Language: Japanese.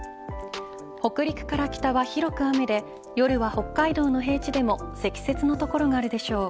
北陸から北は広く雨で夜は北海道の平地でも積雪の所があるでしょう。